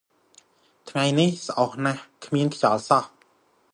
ថ្ងៃនេះស្អុះណាស់ គ្មានខ្យល់សោះ ។